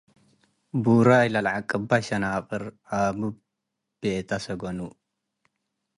ቡራይ ለዐቅበ ሸናቅር አ’ብብ ቤተ ሰገኑ